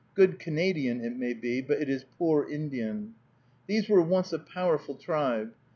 Good Canadian it may be, but it is poor Indian. These were once a powerful tribe.